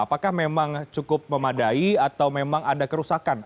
apakah memang cukup memadai atau memang ada kerusakan